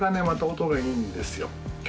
また音がいいんですよ